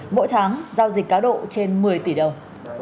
mỗi tháng giao dịch cá độ trên một mươi tỷ đồng